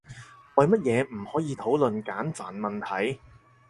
為乜嘢唔可以討論簡繁問題？